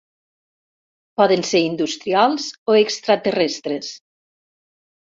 Poden ser industrials o extraterrestres.